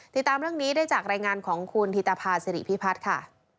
ติดตามเรื่องนี้ได้จากรายงานของคุณธิตภาษิริพิพัฒน์ค่ะ